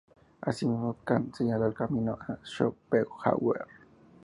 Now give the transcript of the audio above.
Así mismo, Kant señaló el camino a Schopenhauer.